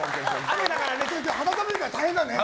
雨だからね肌寒いから大変だね。